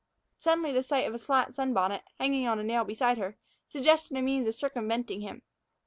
Suddenly the sight of a slat sunbonnet, hanging on a nail beside her, suggested a means of circumventing him.